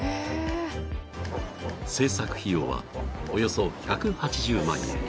［製作費用はおよそ１８０万円］